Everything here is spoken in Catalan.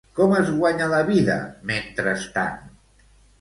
Com es guanya la vida mentrestant?